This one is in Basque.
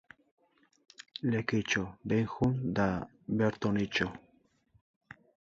Lekitxo behin jun ta bertan itxo!